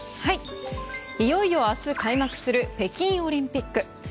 いよいよ明日開幕する北京オリンピック。